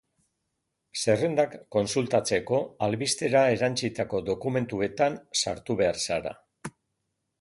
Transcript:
Zerrendak kontsultatzeko, albistera erantsitako dokumentuetan sartu behar zara.